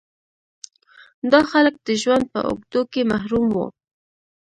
دا خلک د ژوند په اوږدو کې محروم وو.